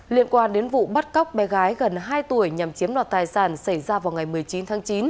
liên quan đến vụ bắt cóc bé gái gần hai tuổi nhằm chiếm đoạt tài sản xảy ra vào ngày một mươi chín tháng chín